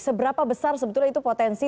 seberapa besar sebetulnya itu potensi